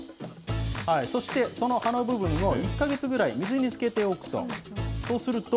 そして、その葉の部分を１か月ぐらい水につけておくと。